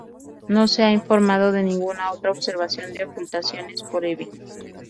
No se ha informado de ninguna otra observación de ocultaciones por Hebe.